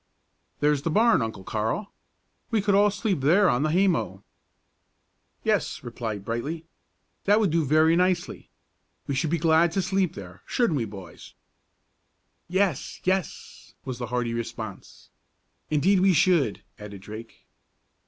"There's the barn, Uncle Carl. We could all sleep there on the haymow." "Yes," replied Brightly, "that would do very nicely. We should be glad to sleep there, shouldn't we, boys?" "Yes! yes!" was the hearty response. "Indeed we should!" added Drake.